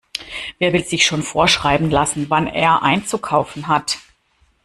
Wer will sich schon vorschreiben lassen, wann er einzukaufen hat?